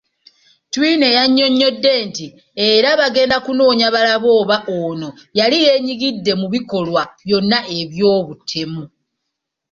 Twine yannyonnyodde nti era bagenda kunoonya balabe oba ono yali yeenyigiddeko mu bikolwa byonna eby'obutemu.